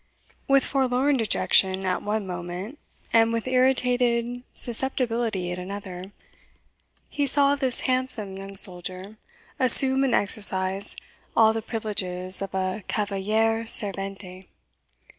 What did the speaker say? With forlorn dejection at one moment, and with irritated susceptibility at another, he saw this handsome young soldier assume and exercise all the privileges of a cavaliere servente.